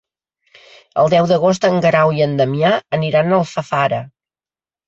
El deu d'agost en Guerau i en Damià aniran a Alfafara.